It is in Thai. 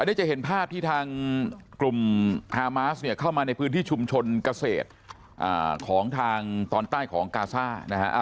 นี่จะเห็นภาพที่ทางกลุ่มฮามาสเนี่ยเข้ามาในพื้นที่ชุมชนเกษตรของทางตอนใต้ของกาซ่านะฮะ